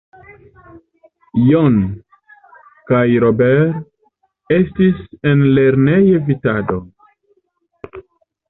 Jon kaj Robert estis en lernej-evitado.